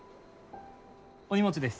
お荷物です。